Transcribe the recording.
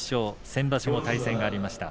先場所も対戦がありました。